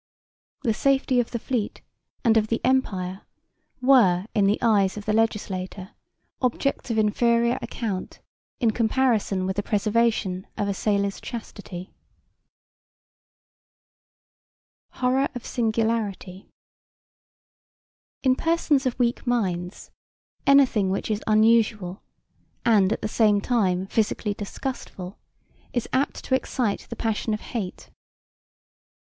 The safety of' the fleet and of the Empire were in the eyes of the legislator objects of inferior account in comparison with the preservation of a sailor's chastity. [188d follows; see my introduction. Ed.] / Horror of singularity In persons of weak minds, anything which is unusual and at the same time physically disgustful is apt to excite the passion of hate.